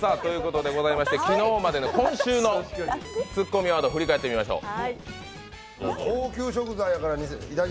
昨日までの今週のツッコミワード、振り返ってみましょう。